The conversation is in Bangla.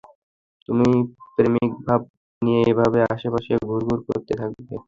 তুমি প্রেমিকভাব নিয়ে এভাবে আশেপাশে ঘুরঘুর করতে থাকবে?